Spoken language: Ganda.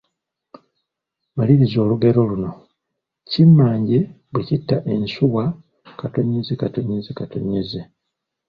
Maliriza olugero luno: Kimmanje bwe kita ensuwa....